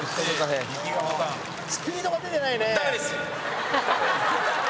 山崎：スピードが出てないね。